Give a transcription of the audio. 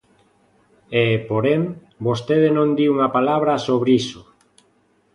E, porén, vostede non di unha palabra sobre iso.